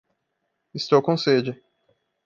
Estou com sede.